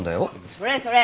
それそれ！